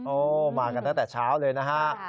มากันตั้งแต่เช้าเลยนะฮะ